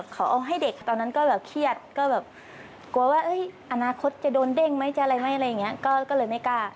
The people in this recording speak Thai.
เขาเอาให้เด็กตอนนั้นก็แบบเครียดกลัวว่าอนาคตจะโดนเด้งไหมอะไรก็เลยไม่กล้า